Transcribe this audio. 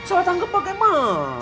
salah tanggep bagaimana